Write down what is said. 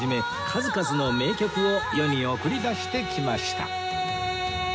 数々の名曲を世に送り出してきました